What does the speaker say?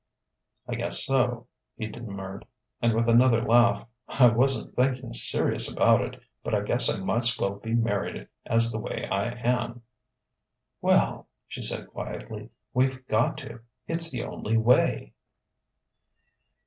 "I guess so," he demurred; and with another laugh: "I wasn't thinking serious' about it, but I guess I might's well be married as the way I am." "Well," she said quietly, "we've got to. It's the only way...."